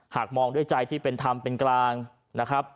หากมองด้วยใจที่เป็นธรรมเป็นกลางนะครับ